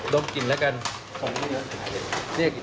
ดมกลิ่นละกัน